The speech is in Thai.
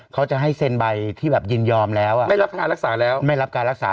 เขาจะให้เซ็นใบที่แบบยินยอมแล้วอ่ะไม่รับการรักษาแล้วไม่รับการรักษา